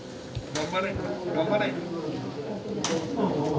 頑張れ頑張れ！